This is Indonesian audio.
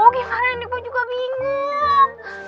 tadi yas aduh karenanya gue juga bingung